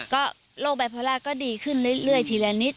ก็โรคไบโพล่าก็ดีขึ้นเรื่อยทีละนิด